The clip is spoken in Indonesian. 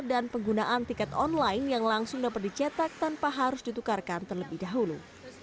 dan penggunaan tiket online yang langsung dapat dicetak tanpa harus ditukarkan terlebih dahulu